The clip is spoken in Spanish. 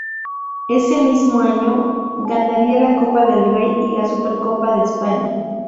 Ese mismo año, ganaría la Copa del Rey y la Supercopa de España.